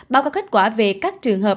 bao gọi kết quả về các trường hợp